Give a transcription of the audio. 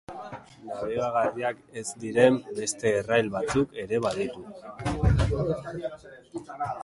Nabigagarriak ez diren beste errail batzuk ere baditu.